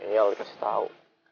iya lo kasih tau